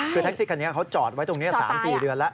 คือแท็กซี่คันนี้เขาจอดไว้ตรงนี้๓๔เดือนแล้ว